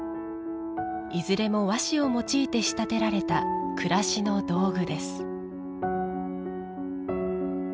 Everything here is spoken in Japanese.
いずれも和紙を用いて仕立てられた暮らしの道具です。